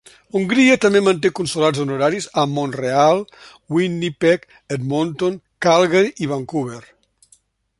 Hongria també manté Consolats Honoraris a Mont-real, Winnipeg, Edmonton, Calgary i Vancouver.